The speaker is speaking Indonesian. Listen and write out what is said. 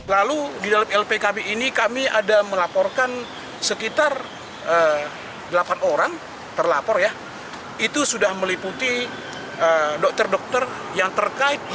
lalu di dalam lpkb ini kami ada melaporkan sekitar delapan orang terlapor ya itu sudah meliputi dokter dokter yang terkait